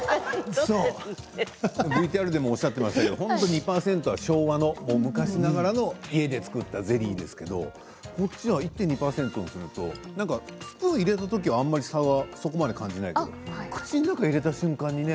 ＶＴＲでもおっしゃってましたけれど２％は本当に昭和の昔ながらの家で作ったゼリーですけど１．２％にすると何かスプーンを入れたときはあまり差はそこまで感じないけど口の中に入れた瞬間にね